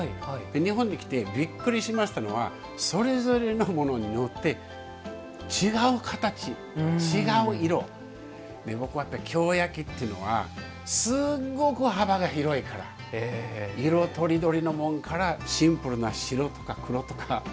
日本に来てびっくりしたのはそれぞれのものによって、違う形違う色京焼っていうのは、すごく幅が広いから色とりどりのものからシンプルな白とか黒とか。